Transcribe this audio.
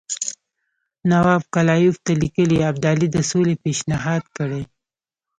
نواب کلایف ته لیکلي ابدالي د سولې پېشنهاد کړی.